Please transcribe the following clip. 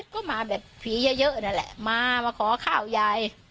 ก็มาแบบผีเยอะนั่นแหละมามาขอข้าวยาย